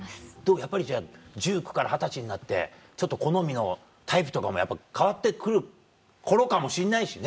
やっぱりじゃあ１９歳から二十歳になってちょっと好みのタイプとかも変わって来る頃かもしんないしね。